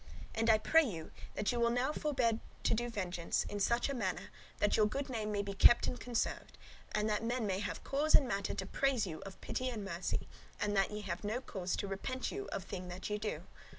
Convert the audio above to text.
And I pray you, that ye will now forbear to do vengeance, in such a manner, that your good name may be kept and conserved, and that men may have cause and matter to praise you of pity and of mercy; and that ye have no cause to repent you of thing that ye do.